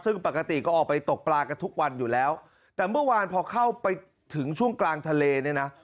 ซึ่งปกติก็ออกไปตกปลากันทุกวันอยู่แล้วแต่เมื่อวานพอเข้าไปถึงช่วงกลางทะเลเนี่ยนะ